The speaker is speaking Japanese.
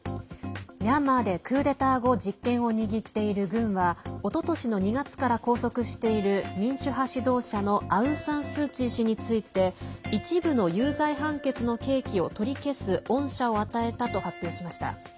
ミャンマーでクーデター後実権を握っている軍はおととしの２月から拘束している民主派指導者のアウン・サン・スー・チー氏について一部の有罪判決の刑期を取り消す恩赦を与えたと発表しました。